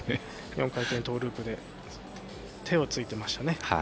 ４回転トーループ手をついてましたね。